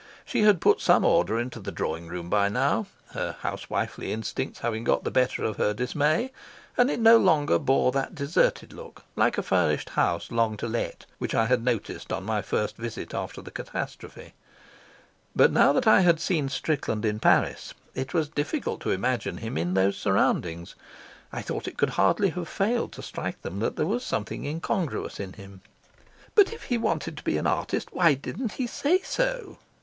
She had put some order into the drawing room by now, her housewifely instincts having got the better of her dismay; and it no longer bore that deserted look, like a furnished house long to let, which I had noticed on my first visit after the catastrophe. But now that I had seen Strickland in Paris it was difficult to imagine him in those surroundings. I thought it could hardly have failed to strike them that there was something incongruous in him. "But if he wanted to be an artist, why didn't he say so?"